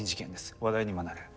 話題にもなる。